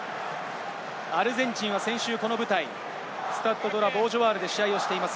アルゼンチンは先週この舞台、スタッド・ド・ラ・ボージョワールで試合をしています。